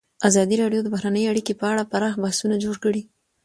ازادي راډیو د بهرنۍ اړیکې په اړه پراخ بحثونه جوړ کړي.